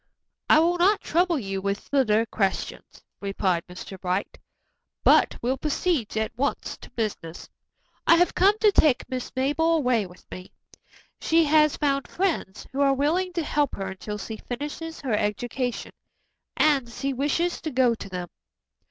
"I will not trouble you with further questions," replied Mr. Bright, "but will proceed at once to business. I have come to take Miss Mabel away with me. She has found friends who are willing to help her until she finishes her education, and she wishes to go to them."